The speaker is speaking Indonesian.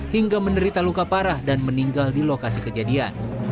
hingga menderita luka parah dan meninggal di lokasi kejadian